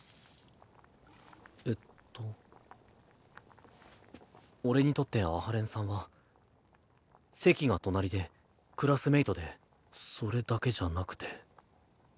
えっと俺にとって阿波連さんは席が隣でクラスメイトでそれだけじゃなくて。